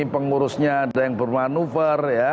pengurusnya ada yang bermanuver